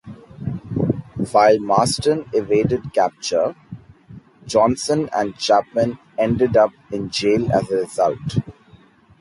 While Marston evaded capture, Jonson and Chapman ended up in jail as a result.